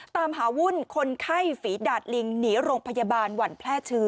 ตามหาวุ่นคนไข้ฝีดาดลิงหนีโรงพยาบาลหวั่นแพร่เชื้อ